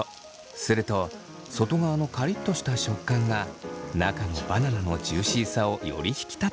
すると外側のカリッとした食感が中のバナナのジューシーさをより引き立てるそう。